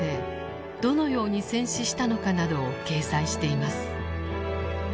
どのように戦死したのかなどを掲載しています。